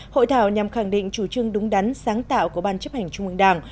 hội thảo nhằm khẳng định chủ trương đúng đắn sáng tạo của ban chấp hành trung ương đảng